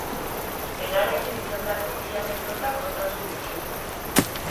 Berarekin izandako bi anekdota kontatu dizkigu.